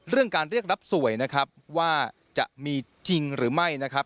การเรียกรับสวยนะครับว่าจะมีจริงหรือไม่นะครับ